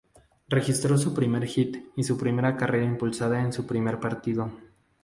Registró su primer hit y su primera carrera impulsada en su primer partido.